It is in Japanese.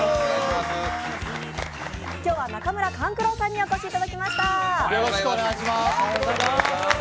今日は中村勘九郎さんにお越しいただきました。